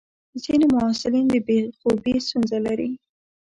ځینې محصلین د بې خوبي ستونزه لري.